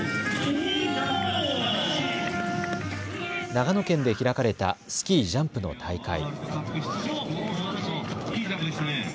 長野県で開かれたスキージャンプの大会。